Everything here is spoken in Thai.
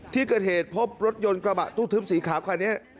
ที่เกิดเหตุพบรถยนต์กระบะตู้ทึบสีขาวคันนี้